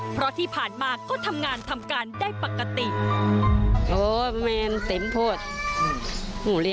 เพราะที่ผ่านมาก็ทำงานทำการได้ปกติ